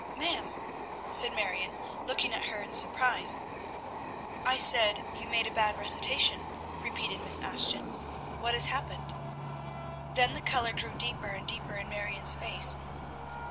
"Ma'am!" said Marion, looking at her in surprise. "I said you made a bad recitation," repeated Miss Ashton. "What has happened?" Then the color grew deeper and deeper in Marion's face.